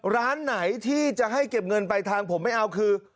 ร้านไหนที่จะให้เก็บเงินไปทางผมไม่เอาคือ